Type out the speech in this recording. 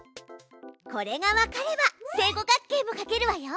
これがわかれば正五角形も描けるわよ！